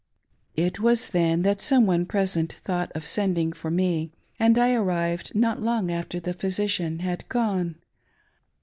It was then that some one present thought of sending for me, and I arrived not long after the physician had gone.